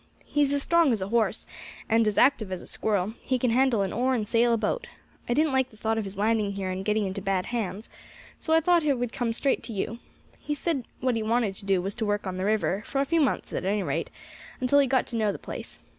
He's as strong as a horse, and as active as a squirrel; he can handle an oar and sail a boat. I didn't like the thought of his landing here and getting into bad hands, so I thought I would come straight to you. He said what he wanted to do was to work on the river, for a few months at any rate, until he got to know the place.